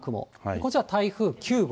こっちは台風９号。